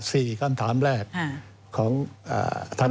สี่คำถามแรกของธรรมยุค